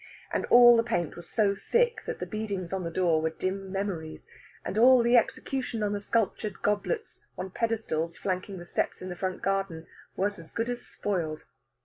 And all the paint was so thick that the beadings on the door were dim memories, and all the execution on the sculptured goblets on pedestals flanking the steps in the front garden was as good as spoiled.